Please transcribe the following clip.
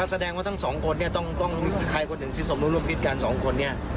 แสดงว่าทั้งสองคนเนี่ยต้องมีใครคนหนึ่งที่สมรู้ร่วมพิษกันสองคนเนี่ย